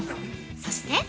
そして◆